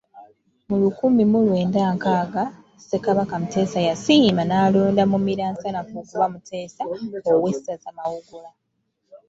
Mu lukumi mu lwenda nkaaga, Ssekabaka Muteesa yasiima n’alonda Mumiransanafu okuba Muteesa, ow’essaza Mawogola.